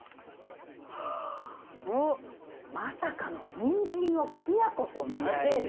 まさかのにんじんをきな粉と混ぜる。